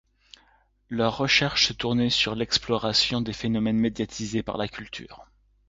Leurs recherches se tournaient sur l'exploration des phénomènes médiatisés par la culture.